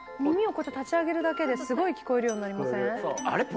耳をこうやって立ち上げるだけですごい聞こえるようになりません？